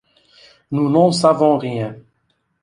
Nous n'en savons rien.